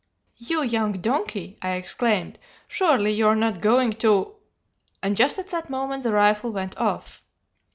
"'You young donkey!' I exclaimed, 'surely you are not going to' and just at that moment the rifle went off.